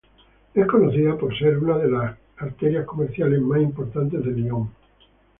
Es conocida por ser una de las arterias comerciales más importantes de Lyon.